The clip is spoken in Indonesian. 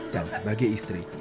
dan sebagai istri